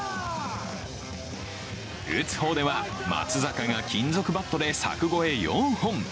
打つ方では、松坂が金属バットで柵越え４本。